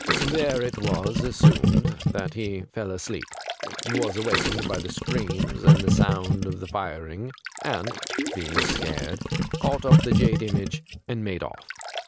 There it was assumed that he fell asleep, was awakened 188 THE GRAY CAT by the screams and the sound of the firing, and, being scared, caught up the jade image and made off.